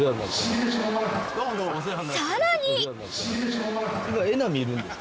［さらに］